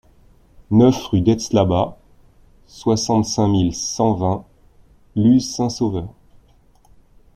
neuf rue dets Labats, soixante-cinq mille cent vingt Luz-Saint-Sauveur